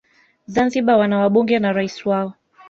zanzibar wana wabunge na rais wao